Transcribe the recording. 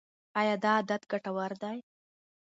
ایا دا عادت ګټور دی؟